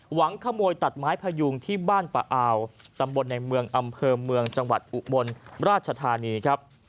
หวังขโมยตัดไม้พยุงที่บ้านปะอาวตำบลในเมืองอำเภอเมืองจังหวัดอุบลราชธานีครับ